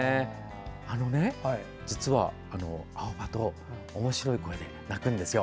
あのね、実はアオバト、おもしろい声で鳴くんですよ。